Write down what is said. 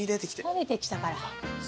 垂れてきたから。